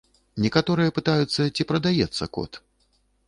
Некаторыя пытаюцца, ці прадаецца кот.